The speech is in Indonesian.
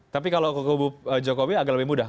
tapi kalau ke kubu jokowi agak lebih mudah